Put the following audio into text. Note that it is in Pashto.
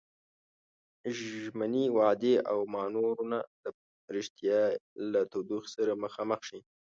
ژمنې، وعدې او مانورونه د ريښتيا له تودوخې سره مخامخ شي.